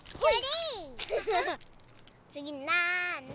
つぎなんだ？